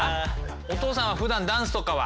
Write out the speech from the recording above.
お父さんはふだんダンスとかは？